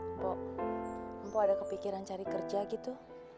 mpok mpo ada kepikiran cari kerja gitu